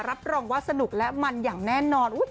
รับรองว่าสนุกและมันอย่างแน่นอน